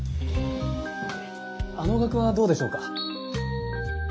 あのがくはどうでしょうか？